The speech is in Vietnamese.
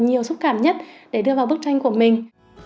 nhiều xúc cảm nhất để đưa vào bức tranh của mình